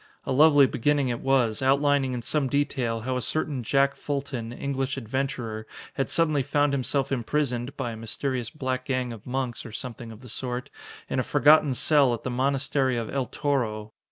A lovely beginning it was, outlining in some detail how a certain Jack Fulton, English adventurer, had suddenly found himself imprisoned (by a mysterious black gang of monks, or something of the sort) in a forgotten cell at the monastery of El Toro.